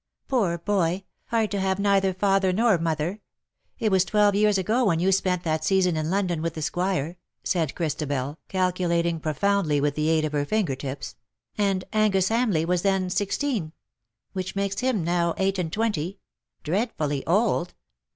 ^'^' Poor boy ! hard to have neither father nor mother. It was twelve years ago when you spent that season in London with the Squire," said Christabel, calculating profoundly with the aid of her finger tips ;'^ and Angus Hamleigh was then sixteen^ which makes him now eight and t wen ty — dreadfully old.